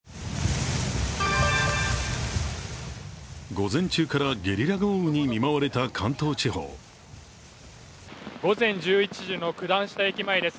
午前中からゲリラ豪雨に見舞われた関東地方午前１１時の九段下駅前です